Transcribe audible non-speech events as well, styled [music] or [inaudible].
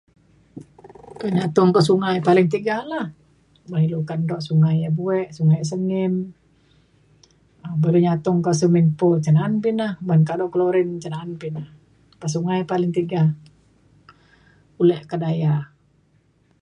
tai nyatong kak sungai paling tiga la ban kado sungai yak buek sungai sengim. [unintelligible] nyatong kak swimming pool cin na’an ina ban kado chlorine kina kak sungai paling tiga ulek kedaya.